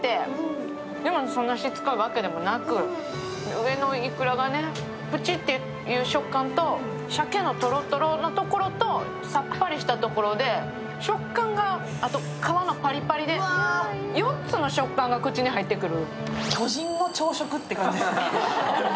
上のいくらがプチッていう食感と鮭のとろとろのところとさっぱりしたところで食感が、あと皮のパリパリで４つの食感が口に入ってくる。